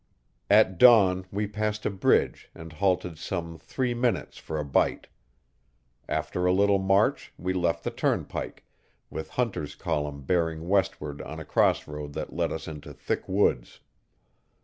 At dawn we passed a bridge and halted some three minutes for a bite. After a little march we left the turnpike, with Hunter's column bearing westward on a crossroad that led us into thick woods.